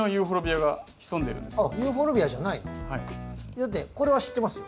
だってこれは知ってますよ。